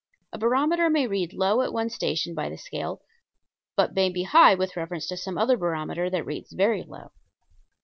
A barometer may read low at one station by the scale, but may be high with reference to some other barometer that reads very low.